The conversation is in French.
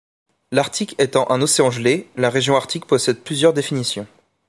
L'Arctique étant un océan gelé, la région arctique possède plusieurs définitions.